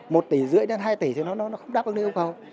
một tỷ rưỡi đến hai tỷ thì nó không đáp ứng lý yêu cầu